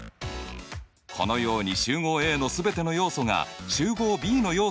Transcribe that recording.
このように集合Ａの全ての要素が集合Ｂの要素になっている時